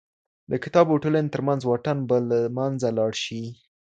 د کتاب او ټولني تر منځ واټن به له منځه لاړ سي.